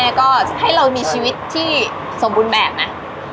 ก็ให้เรามีชีวิตที่สมบูรณ์แบบนะ